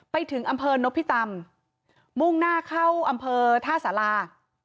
ไปถึงอำเภอนพิตำมุ่งหน้าเข้าอำเภอท่าสารา